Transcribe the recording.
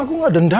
aku gak dendam